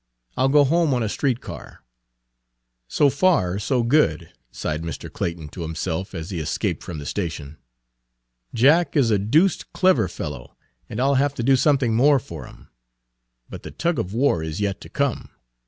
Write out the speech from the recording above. I'll go home on a street car." "So far so good," sighed Mr. Clayton to himself as he escaped from the station. "Jack is a deuced clever fellow, and I 'll have to do something more for him. But the tug of war is yet to come.